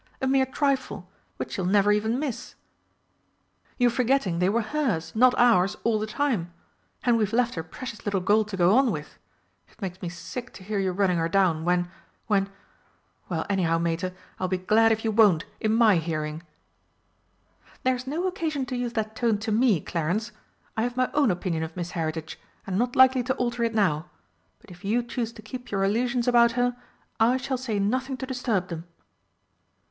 A mere trifle which she'll never even miss!" "You're forgetting they were hers not ours all the time. And we've left her precious little gold to go on with. It makes me sick to hear you running her down, when, when ... well, anyhow, Mater, I'll be glad if you won't in my hearing!" "There's no occasion to use that tone to me, Clarence. I have my own opinion of Miss Heritage, and I am not likely to alter it now. But if you choose to keep your illusions about her, I shall say nothing to disturb them."